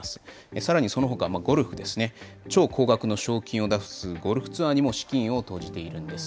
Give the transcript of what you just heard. さらにそのほか、ゴルフですね、超高額の賞金を出すゴルフツアーにも資金を投じているんです。